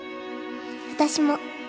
私も。